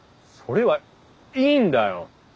それはいいんだよ。